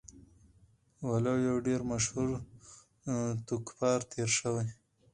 وَلُو يو ډير مشهور ټوکپار تير شوی